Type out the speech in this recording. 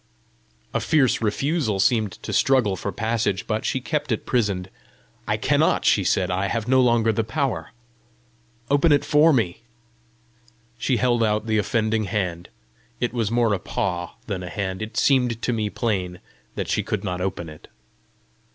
A fierce refusal seemed to struggle for passage, but she kept it prisoned. "I cannot," she said. "I have no longer the power. Open it for me." She held out the offending hand. It was more a paw than a hand. It seemed to me plain that she could not open it.